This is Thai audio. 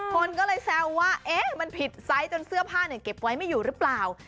คนก็เลยแซวว่ามันผิดไซส์จนเสื้อผ้าเก็บไว้ไม่อยู่หรือเปล่า